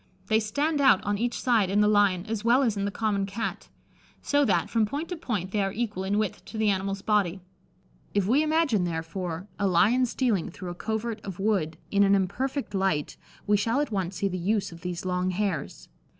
They stand out on each side in the lion, as well as in the common Cat; so that, from point to point, they are equal in width to the animal's body. If we imagine, therefore, a lion stealing through a covert of wood in an imperfect light, we shall at once see the use of these long hairs.